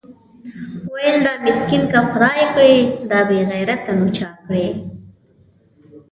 ويل دا مسکين که خداى کړې دا بېغيرته نو چا کړې؟